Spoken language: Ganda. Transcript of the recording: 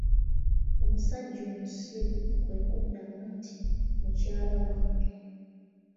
Omusajja omusiru kwe kuddamu nti, mukyala wange.